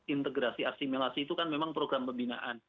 integrasi asimilasi itu kan memang program pembinaan